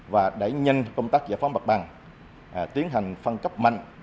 và đẩy nhanh công tác giải phóng mặt bằng tiến hành phân cấp mạnh